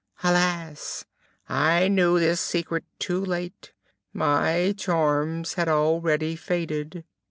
Alas! I knew this secret too late; my charms had already faded."